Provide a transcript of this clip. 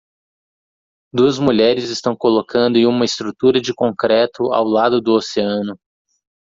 Duas mulheres estão colocando em uma estrutura de concreto ao lado do oceano.